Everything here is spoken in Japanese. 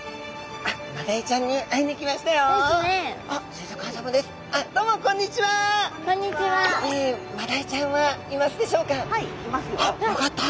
あっよかった。